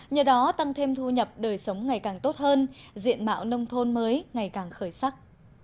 nhờ đó tăng thêm thu nhập đời sống ngày càng tốt hơn diện mạo nông thôn mới ngày càng khởi sắc